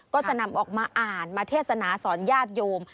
ก็จะนำออกมาอ่านมาเทศนาสอนญาติโยม